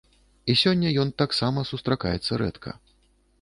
І сёння ён таксама сустракаецца рэдка.